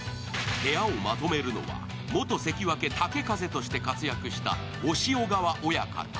部屋をまとめるのは元関脇・豪風として活躍した押尾川親方。